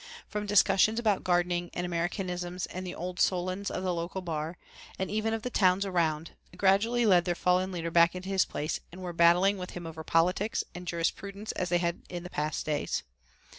From discussions about gardening and Americanisms all the old Solons of the local bar, and even of the towns around, gradually led their fallen leader back into his place and were battling with him over politics and jurisprudence as they had in past days.